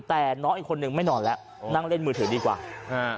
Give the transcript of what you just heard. แต่น้องอีกคนนึงไม่นอนแล้วนั่งเล่นมือถือดีกว่าอ่า